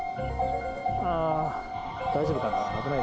ああ、大丈夫かな。